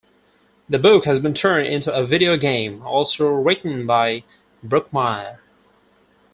The book has been turned into a video game, also written by Brookmyre.